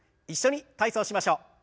一緒に体操しましょう。